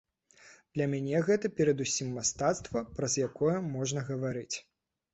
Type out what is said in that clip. Для мяне гэта перадусім мастацтва, праз якое можна гаварыць.